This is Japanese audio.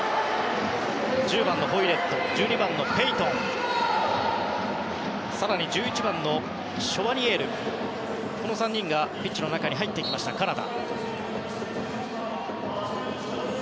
１０番のホイレット１２番のペイトン更に１１番のショワニエールの３人がピッチの中に入っていったカナダ。